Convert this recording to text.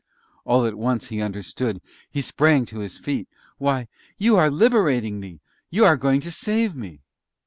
All at once he understood; he sprang to his feet. "Why! you are liberating me! You are going to save me!"